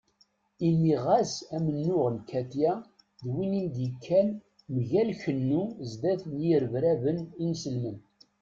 Imi ɣas amennuɣ n Katiya d win i d-yekkan mgal kennu zdat n yirebraben inselmen.